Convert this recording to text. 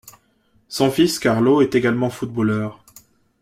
Son fils, Carlo, est également footballeur.